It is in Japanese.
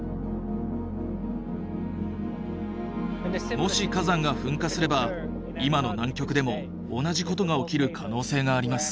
もし火山が噴火すれば今の南極でも同じことが起きる可能性があります。